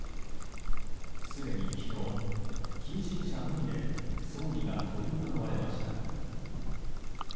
すでに昨日、近親者のみで葬儀が執り行われました。